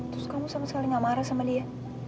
terus kamu sama sekali gak marah sama dia